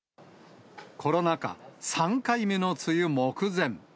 コロナ禍、３回目の梅雨目前。